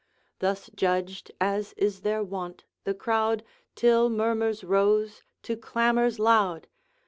Thus judged, as is their wont, the crowd Till murmurs rose to clamours loud.